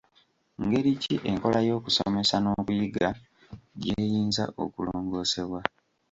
Ngeri ki enkola y'okusomesa n'okuyiga gy'eyinza okulongoosebwa?